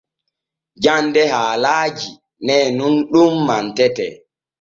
Jande haalaaji nen nun ɗun mantetee.